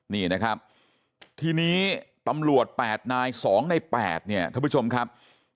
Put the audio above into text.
นี่นะครับทีนี้ตำรวจ๘นาย๒ใน๘เนี่ยท่านผู้ชมครับ